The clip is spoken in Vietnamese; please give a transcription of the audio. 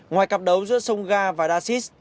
ngoài cặp đấu giữa songa và dasis